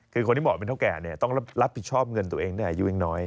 คือคนที่เหมาะเป็นเท่าแก่เนี่ยต้องรับผิดชอบเงินตัวเองด้วยอายุยังน้อย